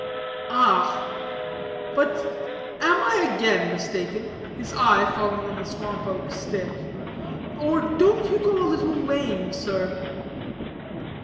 "Ah! But am I again mistaken, (his eye falling on the swamp oak stick,) or don't you go a little lame, sir?"